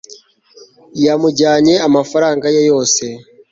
yamujyanye amafaranga ye yose